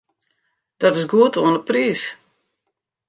Dat is goed oan 'e priis.